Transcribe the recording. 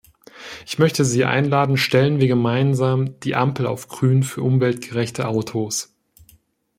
Ich möchte Sie einladen, stellen wir gemeinsam die Ampel auf Grün für umweltgerechte Autos!